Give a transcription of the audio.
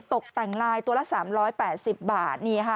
ตกแต่งลายตัวละ๓๘๐บาท